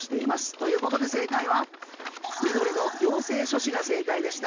ということで、正解は緑の行政書士が正解でした。